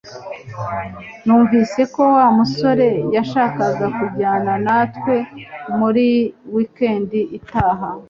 Numvise ko Wa musore yashakaga kujyana natwe muri wikendi itaha